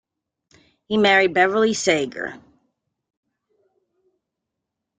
He married Beverley Sager.